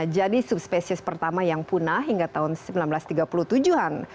jadi subspecies pertama yang punah hingga tahun seribu sembilan ratus tiga puluh tujuh an